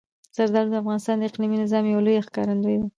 زردالو د افغانستان د اقلیمي نظام یوه لویه ښکارندوی ده.